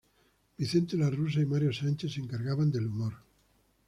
Vicente La Russa y Mario Sánchez se encargaban del humor.